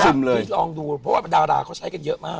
ลองดูเพราะว่าดาราเขาใช้กันเยอะมาก